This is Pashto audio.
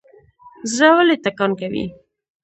زړه ولې ټکان کوي؟